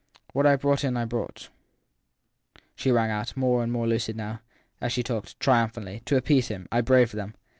What I brought in I brought she rang out, more and more lucid, now, as she talked ( triumphantly. To appease him I braved them.